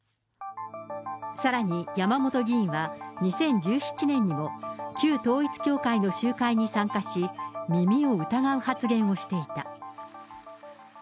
さらに、山本議員は２０１７年にも、旧統一教会の集会に参加し、耳を疑う発言をしていた。